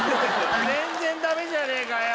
全然ダメじゃねえかよ。